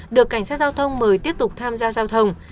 được cảnh sát giao thông mời tiếp tục tham gia giao thông